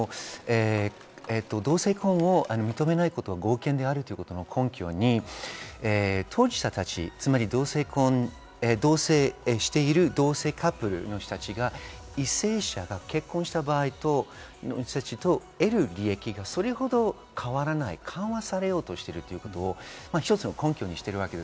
同性婚を認めないことは合憲であるということの根拠に当事者たち、つまり同性婚、同棲している同性カップルの人たちが異性者が結婚した場合と、得る利益がそれほど変わらない、緩和されようとしているということを一つの根拠にしています。